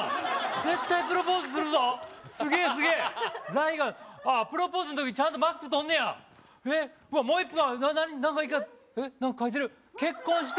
絶対プロポーズするぞすげえすげえライガーああプロポーズの時ちゃんとマスク取んねやえっもう１個ある何枚かえっ何か書いてる「結婚して」